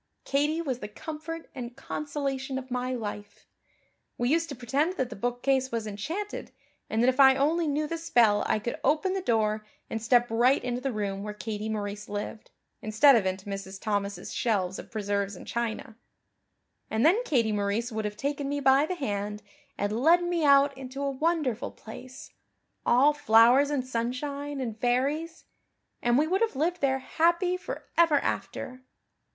Katie was the comfort and consolation of my life. We used to pretend that the bookcase was enchanted and that if I only knew the spell I could open the door and step right into the room where Katie Maurice lived, instead of into Mrs. Thomas' shelves of preserves and china. And then Katie Maurice would have taken me by the hand and led me out into a wonderful place, all flowers and sunshine and fairies, and we would have lived there happy for ever after.